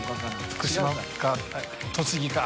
福島か栃木か。